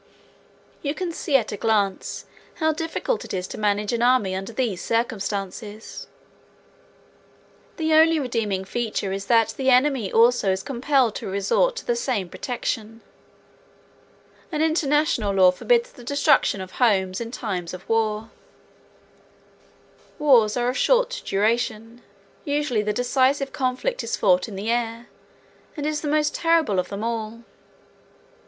You can see at a glance how difficult it is to manage an army under these circumstances. The only redeeming feature is that the enemy also is compelled to resort to the same protection. An international law forbids the destruction of homes in times of war. [Illustration: The Battle of the "Flying Devils."] Wars are of short duration. Usually the decisive conflict is fought in the air, and is the most terrible of them all.